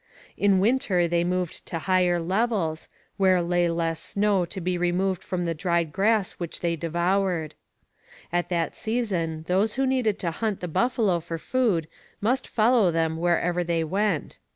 In winter they moved to higher levels, where lay less snow to be removed from the dried grass which they devoured. At that season those who needed to hunt the buffalo for food must follow them wherever they went.